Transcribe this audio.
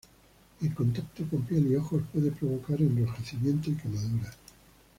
En contacto con piel y ojos, puede provocar enrojecimiento y quemaduras.